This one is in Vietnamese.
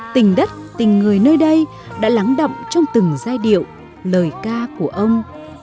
tình đất tình người nơi đây đã lắng động trong từng giai điệu lời ca của ông